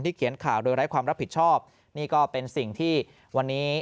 เขียนข่าวโดยไร้ความรับผิดชอบนี่ก็เป็นสิ่งที่วันนี้